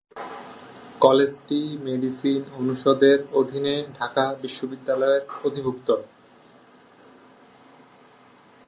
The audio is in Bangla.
কলেজটি মেডিসিন অনুষদের অধীনে ঢাকা বিশ্ববিদ্যালয়ের অধিভুক্ত।